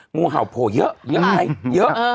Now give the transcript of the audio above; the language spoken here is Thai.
งูเห่าโผล่เยอะไหมเยอะ